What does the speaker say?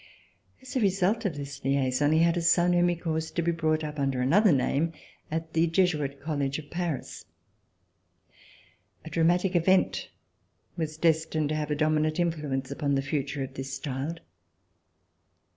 As a result of this liaison he had a son whom he caused to be brought up under another name at the Jesuit College of Paris. A dramatic event was destined to have a dominant influence upon the future of this child.